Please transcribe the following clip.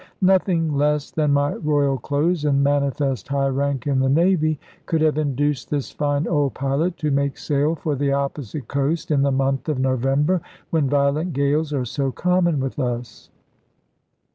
Nothing less than my Royal clothes and manifest high rank in the Navy could have induced this fine old pilot to make sail for the opposite coast in the month of November, when violent gales are so common with us.